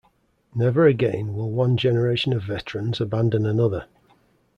Never again will one generation of veterans abandon another.